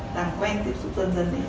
đang quen tiếp xúc dần dần ấy